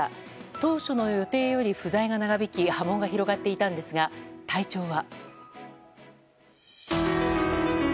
当初の予定より不在が長引き波紋が広がっていたんですが体調は。